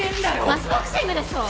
マスボクシングでしょ！